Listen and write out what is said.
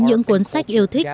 những cuốn sách yêu thích